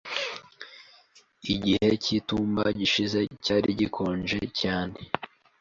Igihe cy'itumba gishize cyari gikonje cyane.